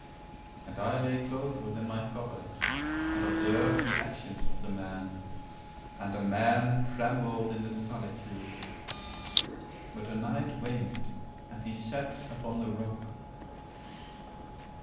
And I lay close within my covert and observed the actions of the man. And the man trembled in the solitude;—but the night waned and he sat upon the rock.